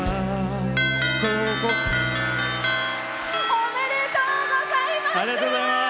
おめでとうございます！